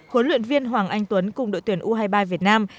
huấn luyện viên hoàng anh tuấn cùng đội tuyển u hai mươi ba việt nam